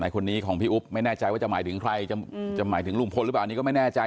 คนนี้ของพี่อุ๊บไม่แน่ใจว่าจะหมายถึงใครจะหมายถึงลุงพลหรือเปล่าอันนี้ก็ไม่แน่ใจ